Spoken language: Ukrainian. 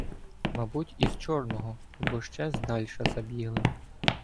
Мабуть, із Чорного або ще здальша забігли.